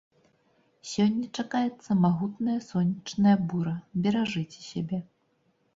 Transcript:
Сёння чакаецца магутная сонечная бура, беражыце сябе!